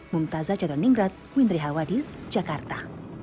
mumtazah caroningrat windri hawadis jakarta